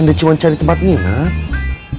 dia cuma cari tempat menginap